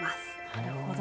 なるほど。